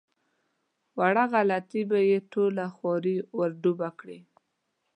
وړه غلطي به یې ټوله خواري ور ډوبه کړي.